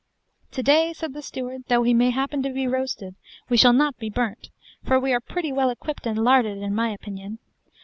To day, said the steward, though we happen to be roasted, we shall not be burnt, for we are pretty well quipped and larded, in my opinion.